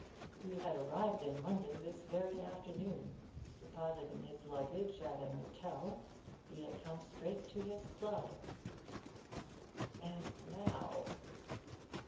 He had arrived in London this very afternoon. Depositing his luggage at an hotel, he had come straight to his club. 'And now...'